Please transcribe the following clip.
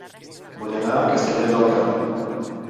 Vull anar a Castellvell del Camp